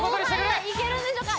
後輩はいけるんでしょうか？